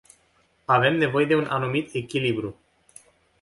Avem nevoie de un anumit echilibru.